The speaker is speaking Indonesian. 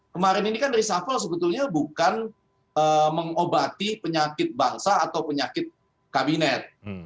kemarin ini kan reshuffle sebetulnya bukan mengobati penyakit bangsa atau penyakit kabinet